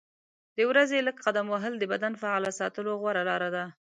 د ورځې لږ قدم وهل د بدن فعال ساتلو غوره لاره ده.